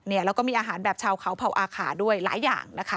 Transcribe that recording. แล้วก็มีอาหารแบบชาวเขาเผาอาขาด้วยหลายอย่างนะคะ